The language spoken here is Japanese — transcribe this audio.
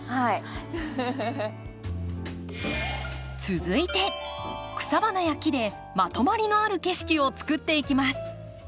続いて草花や木でまとまりのある景色を作っていきます。